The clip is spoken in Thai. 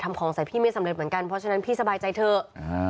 ของใส่พี่ไม่สำเร็จเหมือนกันเพราะฉะนั้นพี่สบายใจเถอะ